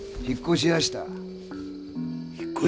引っ越した？